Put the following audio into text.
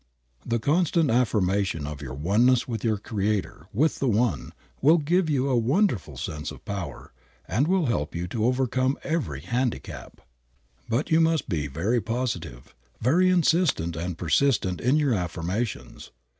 The constant affirmation of your oneness with your Creator, with the One, will give you a wonderful sense of power, and will help you to overcome every handicap. But you must be very positive, very insistent and persistent in your affirmations.